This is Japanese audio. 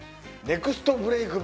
ネクストブレイク